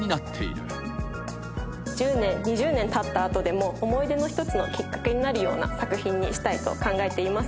１０年２０年たった後でも思い出の一つのきっかけになるような作品にしたいと考えています。